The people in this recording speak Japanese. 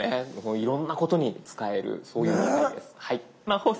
いろんなことに使えるそういう機械です。